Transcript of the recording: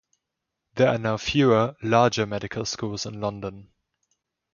There are now fewer, larger medical schools in London.